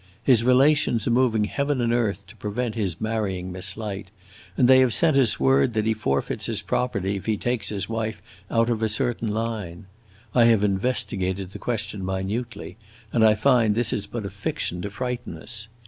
His relations are moving heaven and earth to prevent his marrying Miss Light, and they have sent us word that he forfeits his property if he takes his wife out of a certain line. I have investigated the question minutely, and I find this is but a fiction to frighten us.